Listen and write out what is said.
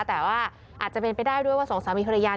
แต่ว่าอาจจะเป็นไปได้ด้วยว่าสองสามีภรรยา